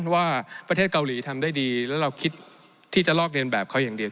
ว่าประเทศเกาหลีทำได้ดีแล้วเราคิดที่จะลอกเรียนแบบเขาอย่างเดียว